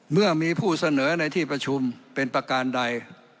เมื่อมีผู้เสนอในที่ประชุมเป็นประการใด